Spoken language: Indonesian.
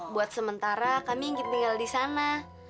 buat sementara kami tinggal di sana